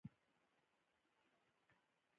تاریخ د واقعیتونو ډېره لار لري.